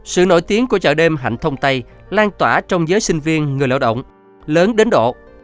sự nổi tiếng của chợ đêm hạnh thông tây lan tỏa trong giới sinh viên người lao động lớn đến độ